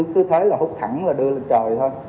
hút thẳng là đưa lên trời thôi